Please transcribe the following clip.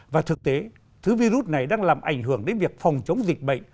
và thực tế thứ virus này đang làm ảnh hưởng đến việc phòng chống dịch bệnh